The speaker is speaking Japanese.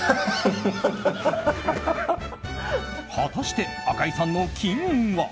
果たして赤井さんの金運は？